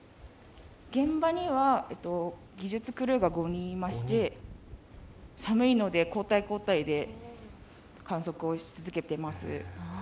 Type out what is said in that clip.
現場には技術クルーが５人いまして、寒いので交代交代で観測し続けています。